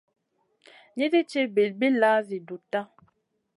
Nisi ci bilbilla zi dutta.